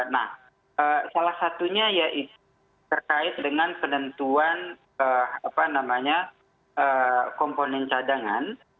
nah salah satunya yaitu terkait dengan penentuan komponen cadangan